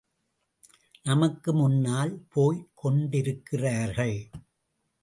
நமக்கு முன்னால் போய்க் கொண்டிருக்கிறார்கள்!